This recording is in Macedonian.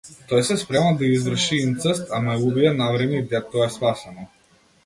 Тој се спрема да изврши инцест, ама е убиен навреме и детето е спасено.